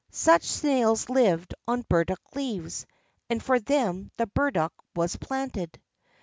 Such snails lived on burdock leaves, and for them the burdock was planted.